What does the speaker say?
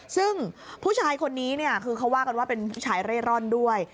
ซึ่งผู้ชายคนนี้เนี่ยคือเขาว่ากันว่าเป็นผู้ชายเร่ร่อนด้วย